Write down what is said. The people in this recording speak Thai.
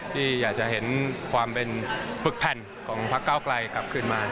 ที่อยากจะเห็นความเป็นฝึกแผ่นของพักเก้าไกลกลับขึ้นมา